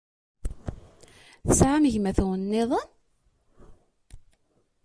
Tesɛam gma-twen-nniḍen?